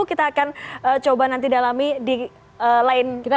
kita akan coba nanti dalami di lain waktu ya